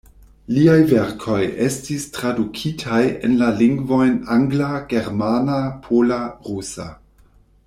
Liaj verkoj estis tradukitaj en la lingvojn angla, germana, pola, rusa.